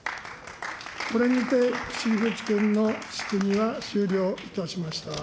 これにて櫛渕君の質疑は終了いたしました。